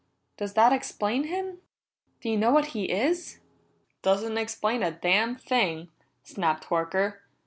Does that explain him? Do you know what he is?" "Doesn't explain a damn thing!" snapped Horker.